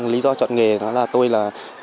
lý do chọn nghề là tôi là